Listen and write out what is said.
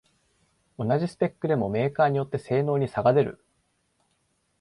同じスペックでもメーカーによって性能に差が出る